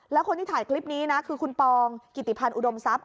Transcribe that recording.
แล้วคนที่ถ่ายคลิปนี้นะคือคุณปองกิติพันธ์อุดมทรัพย